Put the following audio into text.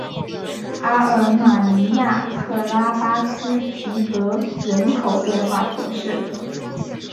阿尔马尼亚克拉巴斯提德人口变化图示